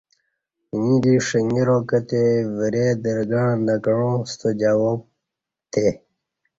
ییں دی شنگرا کہ تی ورۓ درگݩع نہ کعاں ستہ جواب پتے